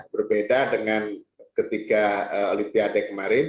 berbeda dengan ketika olimpiade kemarin